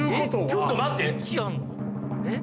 ちょっと待って。